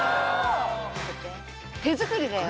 手作りだよ。